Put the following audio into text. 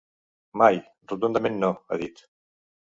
Mai, rotundament no, ha dit.